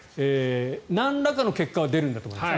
なんらかの結果は出るんだと思います。